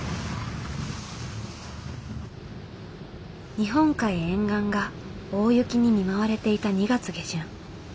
日本海沿岸が大雪に見舞われていた２月下旬。